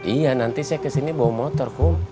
iya nanti saya kesini bawa motor gom